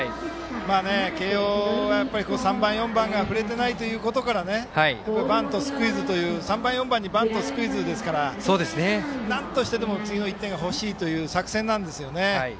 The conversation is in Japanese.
慶応が３番４番が振れてないということから３番、４番にバント、スクイズですからなんとしてでも、次の１点が欲しいという作戦なんですよね。